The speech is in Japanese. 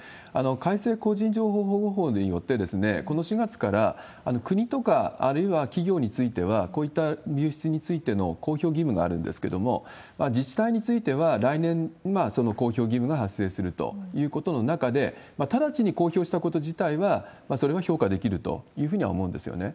改正個人情報保護法によって、この４月から国とか、あるいは企業については、こういった流出についての公表義務があるんですけれども、自治体については来年、その公表義務が発生するということの中で、直ちに公表したこと自体は、それは評価できるというふうには思うんですよね。